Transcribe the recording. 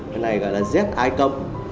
cái này gọi là z icon